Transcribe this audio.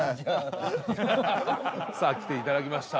さあ来ていただきました。